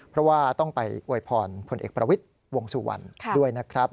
เพราะว่าต้องไปอวยพรพลเอกประวิทย์วงสุวรรณด้วยนะครับ